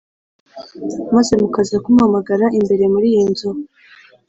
Maze mukaza kumpagarara imbere muri iyi nzu